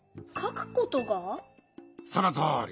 そのとおり。